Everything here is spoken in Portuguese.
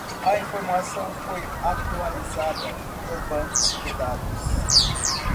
A informação foi atualizada no banco de dados.